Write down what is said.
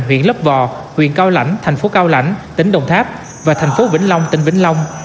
huyện lấp vò huyện cao lãnh thành phố cao lãnh tỉnh đồng tháp và thành phố vĩnh long tỉnh vĩnh long